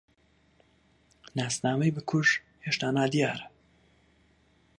ناسنامەی بکوژ هێشتا نادیارە.